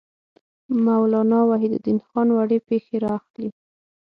مولانا وحیدالدین خان وړې پېښې را اخلي.